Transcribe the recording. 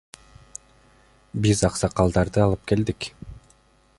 Биз аксакалдарды алып келдик.